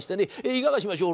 いかがしましょう？